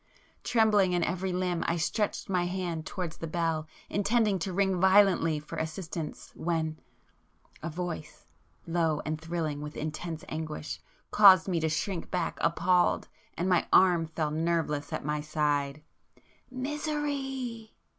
Trembling in every limb, I stretched my hand towards the bell intending to ring violently for assistance,—when—a Voice, low and thrilling with intense anguish, caused me to [p 117] shrink back appalled, and my arm fell nerveless at my side. "Misery!"